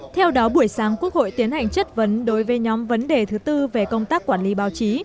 theo đó buổi sáng quốc hội tiến hành chất vấn đối với nhóm vấn đề thứ tư về công tác quản lý báo chí